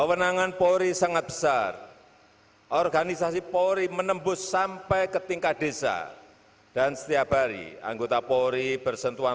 penghormatan kepada panji panji kepolisian negara republik indonesia tri brata